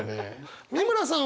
美村さん